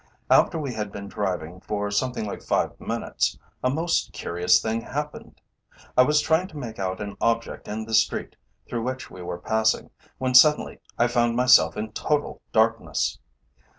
After we had been driving for something like five minutes, a most curious thing happened. I was trying to make out an object in the street through which we were passing, when suddenly I found myself in total darkness.